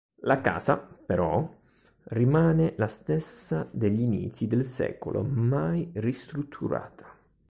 La casa, però, rimane la stessa degli inizi del secolo, mai ristrutturata.